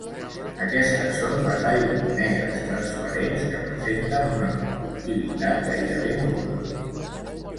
Aquestes són les aigües negres transparents que presenten una conductivitat gairebé nul·la.